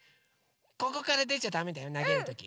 ここからでちゃだめだよなげるとき。